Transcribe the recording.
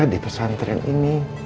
di pesantren ini